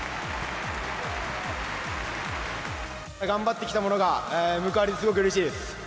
頑張ってきたものが報われてすごくうれしいです。